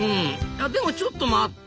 あでもちょっと待った！